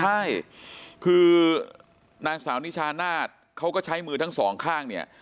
ใช่คือนางสาวนิชานาศเขาก็ใช้มือทั้งสองข้างเนี่ย